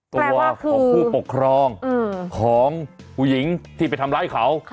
ตัวของผู้ปกครองของผู้หญิงที่ไปทำร้ายเขา